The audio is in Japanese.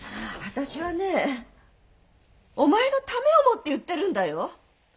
私はねお前のためを思って言ってるんだよ。